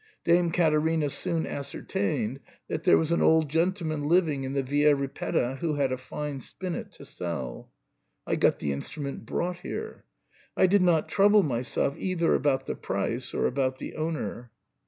Dame Caterina soon ascertained that there was an old gentleman living in the Via Ripetta who had a fine spinet to sell I got the instrument brought here. I did not trouble myself either about the price or about the owner.